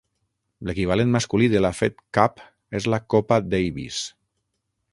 L'equivalent masculí de la Fed Cup és la Copa Davis.